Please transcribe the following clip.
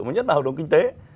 mà nhất là hợp đồng kinh tế